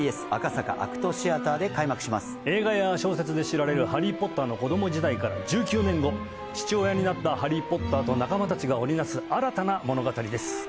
ＴＢＳ赤坂ＡＣＴシアターで開幕映画や小説で知られるハリー・ポッターの子ども時代から１９年後父親になったハリー・ポッターと仲間達が織り成す新たな物語です